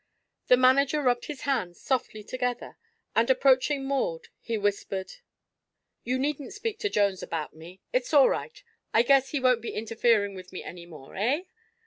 The manager rubbed his hands softly together and, approaching Maud, he whispered: "You needn't speak to Jones about me. It's all right. I guess he won't be interfering with me any more, eh?